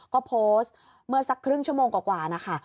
ก็โพสต์เมื่อสักครึ่งชั่วโมงกว่านะคะ